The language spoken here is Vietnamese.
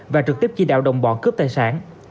và trực tiếp chỉ đạo đồng bọn cướp tài sản